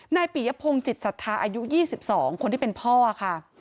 ปียพงศ์จิตศรัทธาอายุ๒๒คนที่เป็นพ่อค่ะ